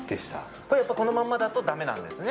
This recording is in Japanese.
これ、やっぱりこのまんまだとだめなんですね？